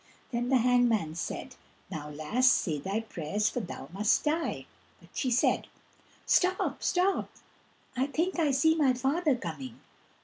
Then the hangman said, "Now, lass, say thy prayers for thou must die." But she said: "Stop, stop, I think I see my father coming!